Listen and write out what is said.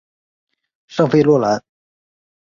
圣弗洛兰。